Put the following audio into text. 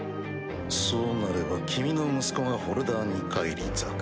そうなれば君の息子がホルダーに返り咲く。